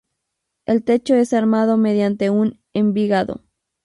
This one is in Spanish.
El techo es armado mediante un envigado.